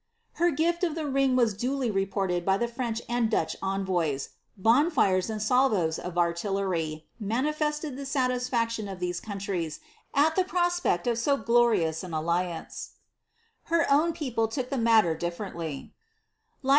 Her gift of the ring was duly reported by the French anC Dutch envoys ; bonfires, and salvos of artillery, manifested the satisfac tion of these countries at the prospect of so glorious an alliance. Her own people took the matter differently.